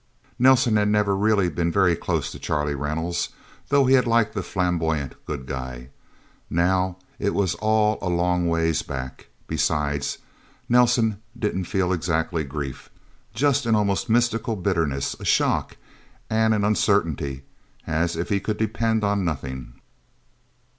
Nelsen had never really been very close to Charlie Reynolds, though he had liked the flamboyant Good Guy. Now, it was all a long ways back, besides. Nelsen didn't feel exactly grief. Just an almost mystical bitterness, a shock and an uncertainty, as if he could depend on nothing.